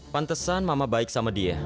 pantesan mama baik sama dia